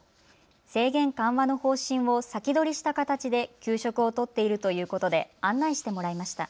制限緩和の方針を先取りした形で給食をとっているということで案内してもらいました。